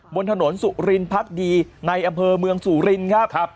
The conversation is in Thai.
บนถนนสุรินพักดีในอำเภอเมืองสุรินครับ